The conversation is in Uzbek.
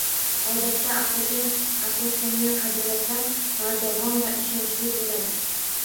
Odatda aqlga asoslangan qadriyatlar bardavom va ishonchli bo’ladi